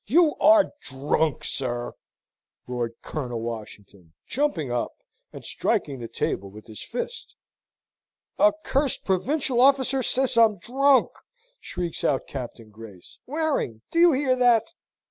You are drunk, sir!" roared Colonel Washington, jumping up, and striking the table with his fist. "A cursed provincial officer say I'm drunk!" shrieks out Captain Grace. "Waring, do you hear that?"